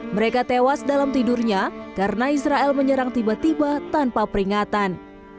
mereka tewas dalam tidurnya karena israel menyerang tiba tiba tanpa peringatan